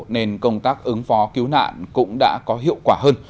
nên công tác ứng phó cứu nạn cũng đã có hiệu quả hơn